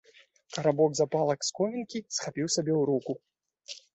Карабок запалак з комінкі схапіў сабе ў руку.